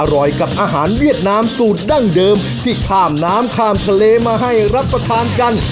อร่อยกับอาหารเวียดนามสูตรดั้งเดิมที่ข้ามน้ำข้ามทะเลมาให้รับประทานกัน